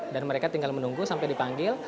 dan mereka tinggal menunggu sampai dipanggil